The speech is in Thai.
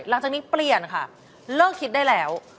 หลังจากนี้เปลี่ยนค่ะเลิกคิดได้แล้ว